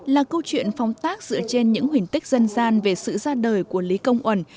là câu chuyện phong tác dựa trên những huyền tích dân gian về sự ra đời của lý công uẩn